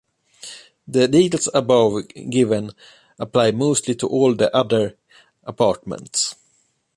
The details above given apply mostly to all the other apartments.